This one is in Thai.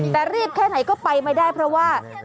แต่รีบแค่ไหนก็ไปไม่ได้เพราะว่า